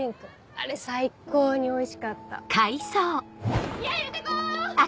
あれ最高においしかった。